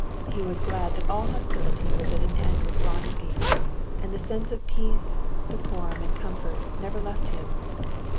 He was glad that all hostility was at an end with Vronsky, and the sense of peace, decorum, and comfort never left him.